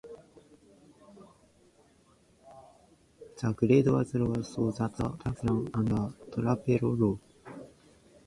At Waverley, the grade was lowered so that the tracks ran under Trapelo Road.